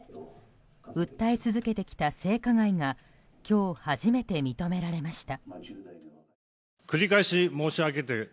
訴え続けてきた性加害が今日初めて認められました。